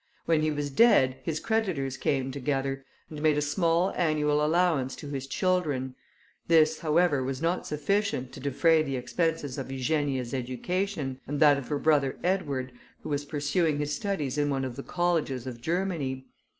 When he was dead, his creditors came together, and made a small annual allowance to his children; this, however, was not sufficient to defray the expenses of Eugenia's education, and that of her brother Edward, who was pursuing his studies in one of the colleges of Germany.